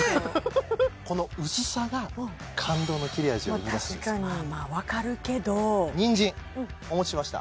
この薄さが感動の切れ味を生み出すんですまあまあわかるけどニンジンお持ちしました